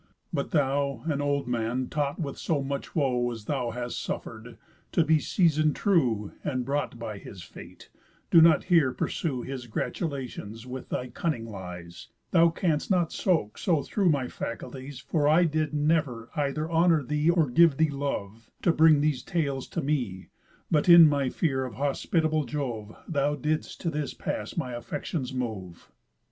But thou, an old man, taught with so much woe As thou hast suffer'd, to be season'd true, And brought by his fate, do not here pursue His gratulations with thy cunning lies, Thou canst not soak so through my faculties For I did never either honour thee Or give thee love, to bring these tales to me, But in my fear of hospitable Jove Thou didst to this pass my affections move."